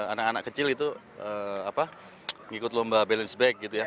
anak anak kecil itu ngikut lomba balance back gitu ya